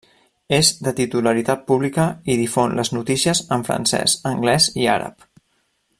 És de titularitat pública i difon les notícies en francès, anglès i àrab.